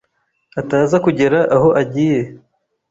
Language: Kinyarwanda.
ataza kugera aho agiye